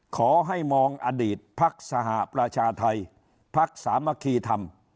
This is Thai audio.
ขอให้มองอดีตพรรคสหประชาไทยพรรคสามคีธรรม